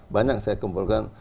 banyak saya kumpulkan